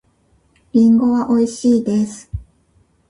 リンゴはおいしいです。